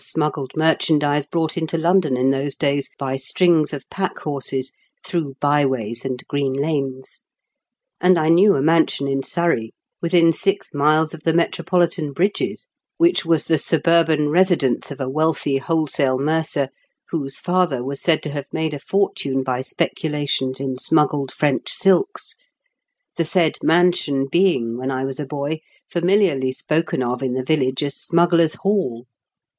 smuggled merchandise brought into London in those days by strings of pack horses, through by ways and green lanes ; and I knew a mansion in Surrey, within six miles of the metropoUtan bridges, which was the suburban residence of a wealthy wholesale mercer, whose father was said to have made a fortune by speculations in smuggled French silks, the said mansion being, when I was a boy, familiarly spoken of in the village as Smugglers' Hall.